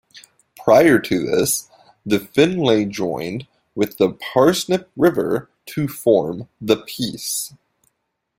Prior to this, the Finlay joined with the Parsnip River to form the Peace.